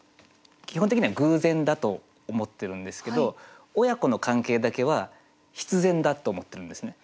基本的には偶然だと思ってるんですけど親子の関係だけは必然だと思ってるんですね。